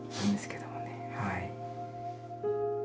はい。